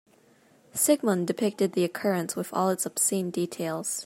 Sigmund depicted the occurrence with all its obscene details.